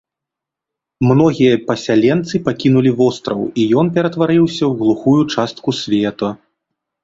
Многія пасяленцы пакінулі востраў, і ён ператварыўся ў глухую частку света.